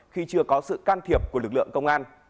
khi chưa có sự can thiệp của lực lượng công an